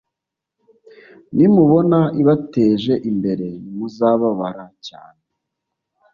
nimubona ibateje imbere nimu muzababara cyane